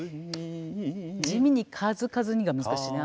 地味に「数々に」が難しいな。